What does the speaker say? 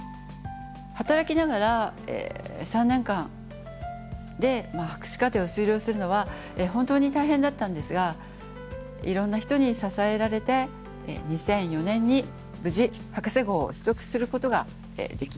働きながら３年間で博士課程を修了するのは本当に大変だったんですがいろんな人に支えられて２００４年に無事博士号を取得することができました。